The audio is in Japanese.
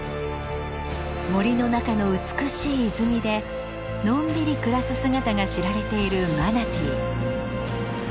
森の中の美しい泉でのんびり暮らす姿が知られているマナティー。